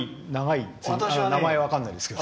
名前は分からないですけど。